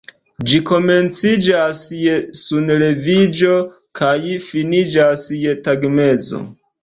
Ĝi komenciĝas je sunleviĝo kaj finiĝas je tagmezo.